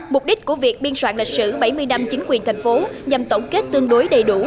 mục đích của việc biên soạn lịch sử bảy mươi năm chính quyền thành phố nhằm tổng kết tương đối đầy đủ